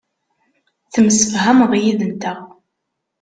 Temsefhameḍ yid-nteɣ.